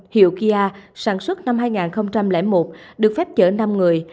hiệu kia sản xuất năm hai nghìn một được phép chở năm người